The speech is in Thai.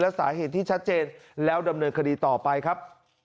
สาเหตุที่ชัดเจนแล้วดำเนินคดีต่อไปครับ